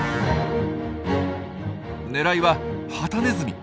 狙いはハタネズミ。